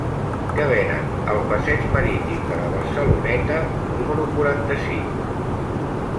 Què venen al passeig Marítim de la Barceloneta número quaranta-cinc?